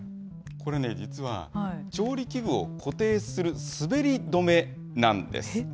これね、実は調理器具を固定する滑り止めなんです。